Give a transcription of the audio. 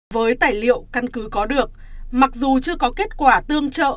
với tài liệu căn cứ có được mặc dù chưa có kết quả tương trợ